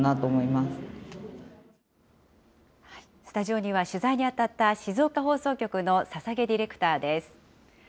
スタジオには、取材に当たった静岡放送局の捧ディレクターです。